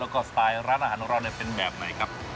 แล้วก็สไตล์ร้านอาหารของเราเป็นแบบไหนครับ